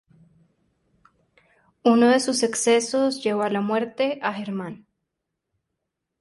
Uno de sus excesos llevó a la muerte a Germán.